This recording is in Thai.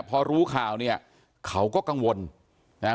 พอรู้ข่าวเนี่ยเขาก็กังวลนะฮะ